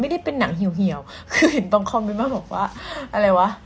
ไม่ได้เป็นหนังเหี่ยวคือเห็นบางคอมเมนต์มาบอกว่าอะไรวะ